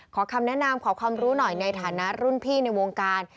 ขอคำแนะนำขอความรู้หน่อยในฐานะรุ่นพี่ในวงการ